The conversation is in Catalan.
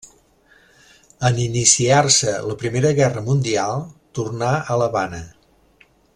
En iniciar-se la Primera Guerra Mundial tornà a l'Havana.